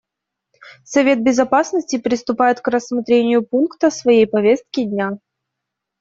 Совет Безопасности приступает к рассмотрению пункта своей повестки дня.